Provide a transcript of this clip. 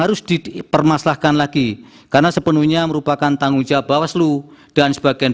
harus dipermasalahkan lagi karena sepenuhnya merupakan tanggung jawab bawaslu dan sebagian